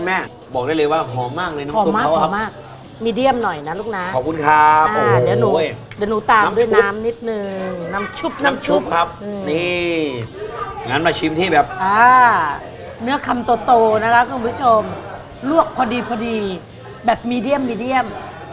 มันพอดีไม่หยาบเกินไปไม่เละเกินไปครับผม